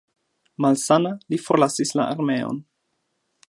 Malsana, li forlasis la armeon.